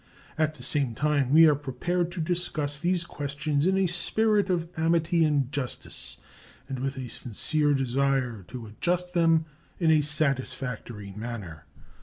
At the same time, we are prepared to discuss these questions in a spirit of amity and justice and with a sincere desire to adjust them in a satisfactory manner.